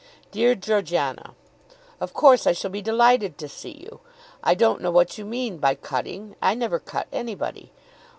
DEAR GEORGIANA, Of course I shall be delighted to see you. I don't know what you mean by cutting. I never cut anybody.